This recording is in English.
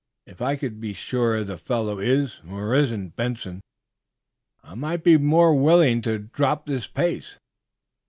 If I could be sure the fellow is, or isn't, Benson, I might be more willing to drop this pace!"